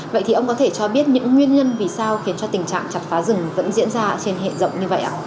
vậy thì ông có thể cho biết những nguyên nhân vì sao khiến cho tình trạng chặt phá rừng vẫn diễn ra trên hệ rộng như vậy ạ